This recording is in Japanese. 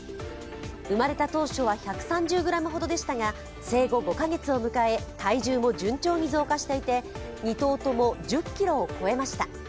生まれた当初は１３０ｇほどでしたが生後５カ月を迎え体重も順調に増加していて、２頭とも１０ｋｇを超えました。